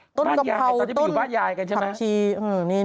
ต้นกำเภาต้นผักชีตอนที่ไปอยู่บ้านยายกันใช่ไหม